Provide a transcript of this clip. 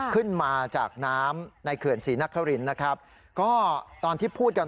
ขึ้นมาจากน้ำในเขื่อนศรีนครินนะครับก็ตอนที่พูดกัน